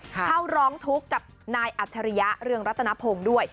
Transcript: เข้าร้องทุกข์กับนายอัจฉริยะเรืองรัตนพงศ์ด้วย